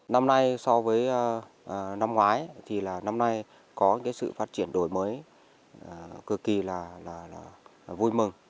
năm nay so với năm ngoái thì là năm nay có sự phát triển đổi mới cực kỳ là vui mừng